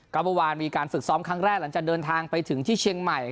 ก็เมื่อวานมีการฝึกซ้อมครั้งแรกหลังจากเดินทางไปถึงที่เชียงใหม่